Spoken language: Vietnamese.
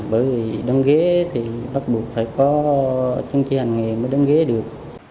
bởi vì đứng ghế thì bắt buộc phải có chứng chỉ hành nghề mới đứng ghế được